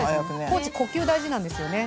コーチ呼吸大事なんですよね。